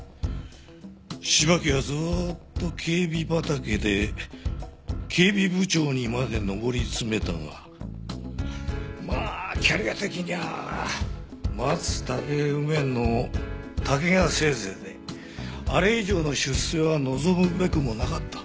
芝木はずーっと警備畑で警備部長にまで上り詰めたがまあキャリア的には松竹梅の竹がせいぜいであれ以上の出世は望むべくもなかった。